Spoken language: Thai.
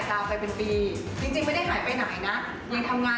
สวัสดีค่ะวิ่งปอมก่อนดีกว่า